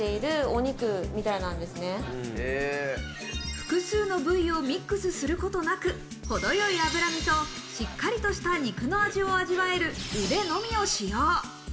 複数の部位をミックスすることなく、程よい脂身と、しっかりとした肉の味を味わえるウデのみを使用。